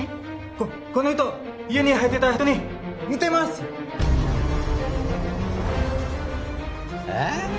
ここの人家に入っていった人に似てますえっ